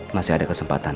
masih ada kesempatan